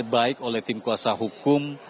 baik oleh tim kuasa hukum